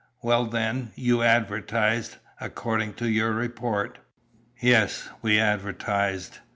Well, then, you advertised, according to your report?" "Yes, we advertised.